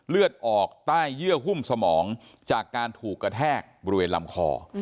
เลือดออกใต้เยื่อหุ้มสมองจากการถูกกระแทกบริเวณลำคอ